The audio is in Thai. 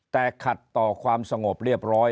แต่ขัดต่อความสงบเรียบร้อย